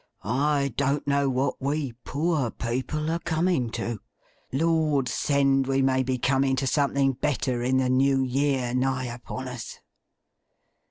I don't know what we poor people are coming to. Lord send we may be coming to something better in the New Year nigh upon us!